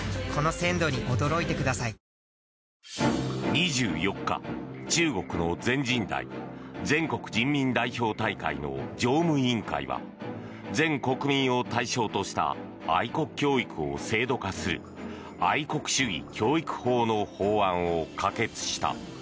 ２４日、中国の全人代・全国人民代表大会の常務委員会は全国民を対象とした愛国教育を制度化する愛国主義教育法の法案を可決した。